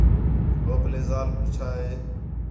ہو پلّے ذال پیچھا ہِے